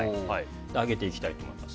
揚げていきたいと思います。